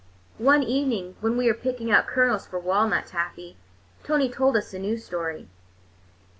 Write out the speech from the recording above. One evening when we were picking out kernels for walnut taffy, Tony told us a new story.